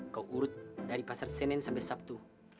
kau urut dari pasar senin sampai sabtu